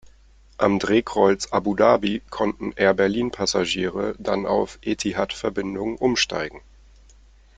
Am Drehkreuz Abu Dhabi konnten Air-Berlin-Passagiere dann auf Etihad-Verbindungen umsteigen.